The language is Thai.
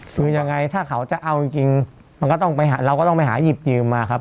คือยังไงถ้าเขาจะเอาจริงเราก็ต้องไปหาหยิบยืมมาครับ